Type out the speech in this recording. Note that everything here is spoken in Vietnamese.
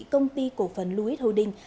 công ty cổ phần louis houding